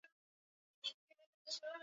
Leo sina pahali pa kulala